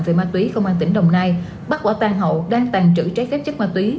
về ma túy công an tỉnh đồng nai bắt quả tan hậu đang tàn trữ trái phép chất ma túy